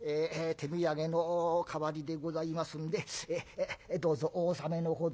手土産の代わりでございますんでどうぞお納めのほど。